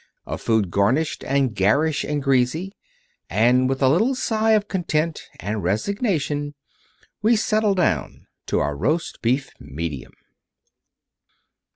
Of food garnished, and garish and greasy. And with a little sigh of Content and resignation we settle down to our Roast Beef, Medium.